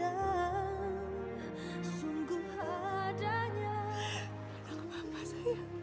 aku tiga belas tahun juara dah carbon by dark yang sama mi